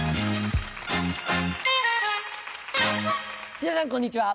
皆さんこんにちは。